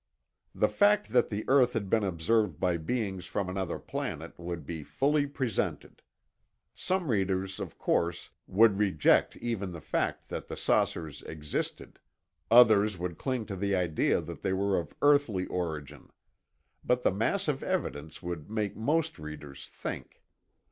The fact that the earth had been observed by beings from another planet would be fully presented. Some readers, of course, would reject even the fact that the saucers existed. Others would cling to the idea that they were of earthly origin. But the mass of evidence would make most readers think.